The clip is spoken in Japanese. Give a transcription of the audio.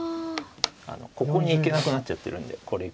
ここにいけなくなっちゃってるんでこれ１本の。